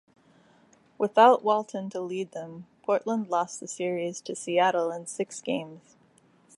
Without Walton to lead them, Portland lost the series to Seattle in six games.